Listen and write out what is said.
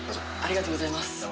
ありがとうございます。